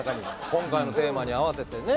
今回のテーマに合わせてね